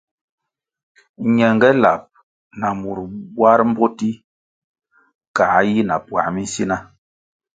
Ñenge lab na mur bwar mboti kā yi na puā minsina.